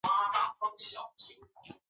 己醛糖是分子中有醛基的己糖。